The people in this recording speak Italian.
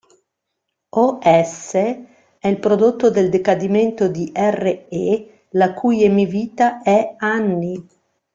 Os è il prodotto del decadimento di Re, la cui emivita è anni.